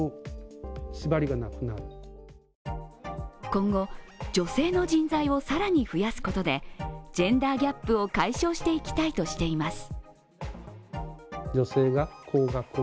今後、女性の人材を更に増やすことでジェンダーギャップを解消していきたいとしています。